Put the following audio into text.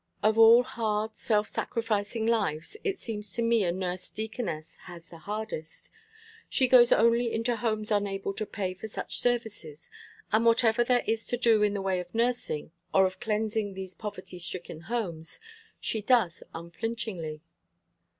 Of all hard, self sacrificing lives, it seems to me a nurse deaconess has the hardest. She goes only into homes unable to pay for such services, and whatever there is to do in the way of nursing, or of cleansing these poverty stricken homes, she does unflinchingly."